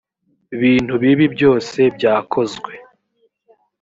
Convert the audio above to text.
bintu bibi byose byakozwe